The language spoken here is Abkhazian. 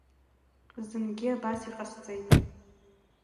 Зынгьы абас иҟасҵеит…